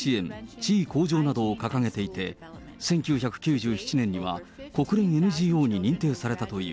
・地位向上などを掲げていて、１９９７年には、国連ＮＧＯに認定されたという。